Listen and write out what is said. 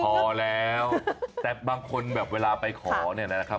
พอแล้วแต่บางคนแบบเวลาไปขอเนี่ยนะครับ